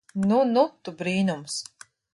Nu nu tu brīnums.